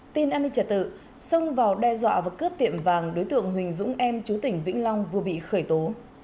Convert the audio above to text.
tin an ninh trả tự xông vào đe dọa và cướp tiệm vàng đối tượng huỳnh dũng em chú tỉnh vĩnh long vừa bị khởi tố